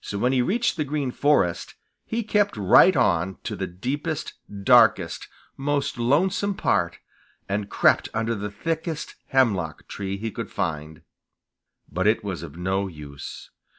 So, when he reached the Green Forest, he kept right on to the deepest, darkest, most lonesome part and crept under the thickest hemlock tree he could find. But it was of no use.